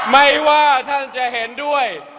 ไม่ว่าท่านจะเห็นด้วย